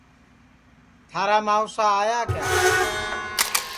تھارا ماوسا آئیا کیا